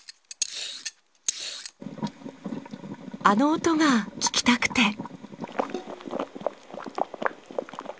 あの音が聞きたくて。